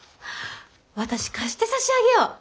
私貸して差し上げよう！